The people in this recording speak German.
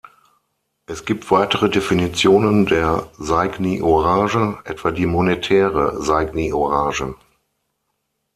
Es gibt weitere Definitionen der Seigniorage, etwa die monetäre Seigniorage.